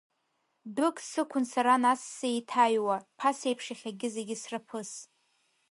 Дәык сықәын сара нас сеиҭаҩуа, ԥасеиԥш, иахьагьы зегьы сраԥыс.